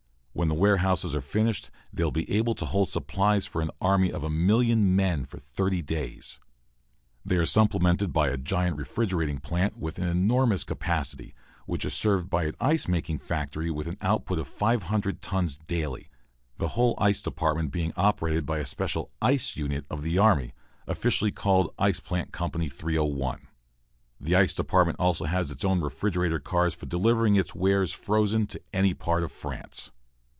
When the warehouses are finished they will be able to hold supplies for an army of a million men for thirty days. They are supplemented by a giant refrigerating plant, with an enormous capacity, which is served by an ice making factory with an output of 500 tons daily, the whole ice department being operated by a special "ice unit" of the army, officially called Ice Plant Company 301. The ice department also has its own refrigerator cars for delivering its wares frozen to any part of France.